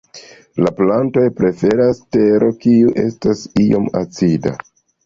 La plantoj preferas teron, kiu estas iom acida.